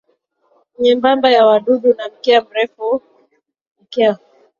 nyembamba ya wadudu na mkia mrefu mkia